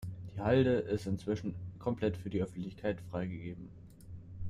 Die Halde ist inzwischen komplett für die Öffentlichkeit freigegeben.